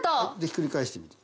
ひっくり返してみて。